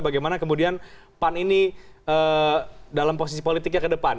bagaimana kemudian pan ini dalam posisi politiknya ke depan